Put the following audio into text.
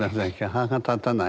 歯が立たない。